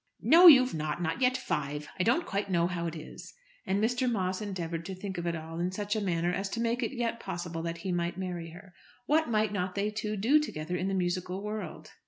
"No, you've not; not yet five. I don't quite know how it is." And Mr. Moss endeavoured to think of it all in such a manner as to make it yet possible that he might marry her. What might not they two do together in the musical world?